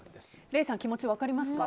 礼さん、気持ち分かりますか？